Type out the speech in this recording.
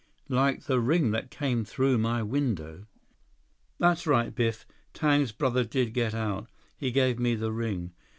"Like the ring that came through my window?" "That's right, Biff. Tang's brother did get out. He gave me the ring.